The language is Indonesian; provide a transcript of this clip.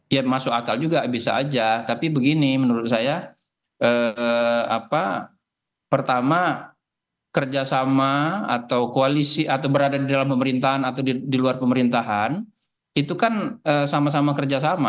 ya masuk akal juga bisa aja tapi begini menurut saya pertama kerjasama atau koalisi atau berada di dalam pemerintahan atau di luar pemerintahan itu kan sama sama kerjasama